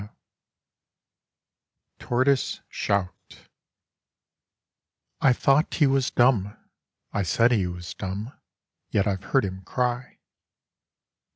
J TORTOISE SHOUT I thought he was dumb, I said he was dumb, Yet I've heard him cry.